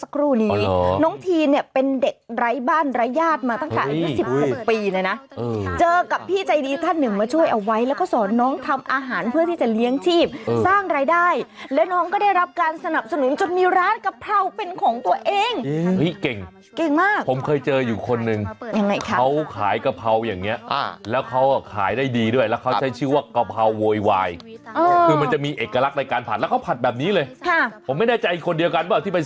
ของร้านชื่อว่าน้องทีนค่ะคนที่ยืนผัดอยู่มาสักครู่นี้